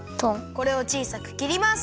これをちいさくきります！